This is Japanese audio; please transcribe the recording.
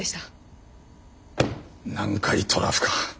南海トラフか。